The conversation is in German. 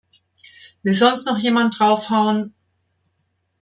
Will sonst noch jemand draufhauen?